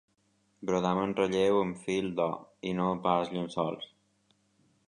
Brodem amb relleu amb fil d'or, i no pas llençols.